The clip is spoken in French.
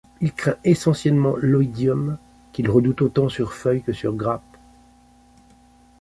Il craint essentiellement l'oïdium qu'il redoute autant sur feuille que sur grappe.